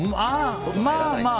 まあまあ。